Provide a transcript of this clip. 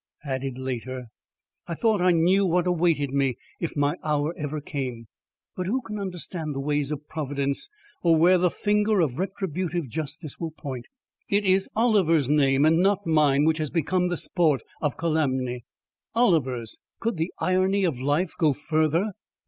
Added later. I thought I knew what awaited me if my hour ever came. But who can understand the ways of Providence or where the finger of retributive Justice will point. It is Oliver's name and not mine which has become the sport of calumny. Oliver's! Could the irony of life go further!